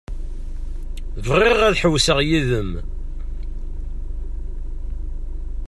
Bɣiɣ ad ḥewwseɣ yid-m.